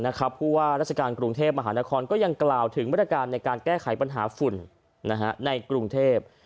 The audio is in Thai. เพราะว่าราชการกรุงเทพมหานครก็ยังกล่าวถึงมาตรการในการแก้ไขปัญหาฝุ่นในกรุงเทพ